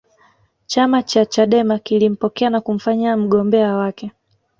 chama cha chadema kilimpokea na kumfanya mgombea wake